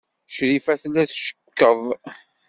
Crifa tella tcekkeḍ.